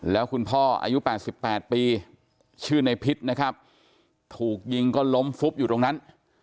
แล้วคุณพ่ออายุ๘๘ปีชื่อในพิษนะครับถูกยิงก็ล้มฟุบอยู่ตรงนั้น